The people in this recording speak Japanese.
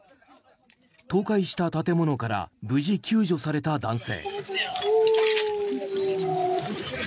倒壊した建物から無事、救助された男性。